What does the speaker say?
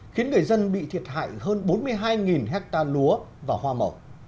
khiến người dân bị thiệt hại hơn bốn mươi hai hectare lúa và hoa màu